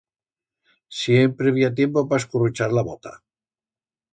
Siempre bi ha tiempo pa escurruchar la bota.